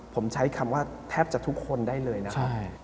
ผมใช้คำว่าแทบจะทุกคนได้เลยนะ